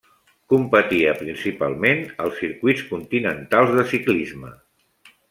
Competia principalment als circuits continentals de ciclisme.